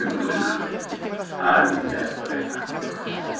あるんだよそれが。